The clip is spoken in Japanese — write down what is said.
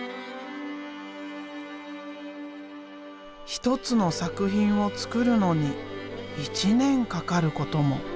１つの作品を作るのに１年かかることも。